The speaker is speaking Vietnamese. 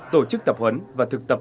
tổ chức tập huấn và thực tập